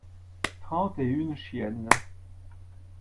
trente et une chiennes.